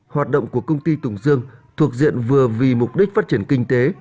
hoạt động của công ty tùng dương thuộc diện vừa vì mục đích phát triển kinh tế